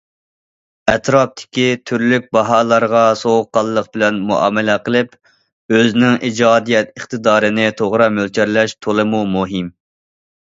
ئەتراپتىكى تۈرلۈك باھالارغا سوغۇققانلىق بىلەن مۇئامىلە قىلىپ، ئۆزىنىڭ ئىجادىيەت ئىقتىدارىنى توغرا مۆلچەرلەش تولىمۇ مۇھىم.